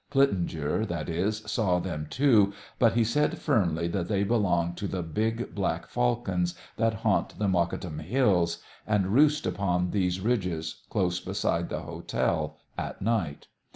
Plitzinger, that is, saw them, too, but he said firmly that they belonged to the big black falcons that haunt the Mokattam Hills and roost upon these ridges, close beside the hotel, at night.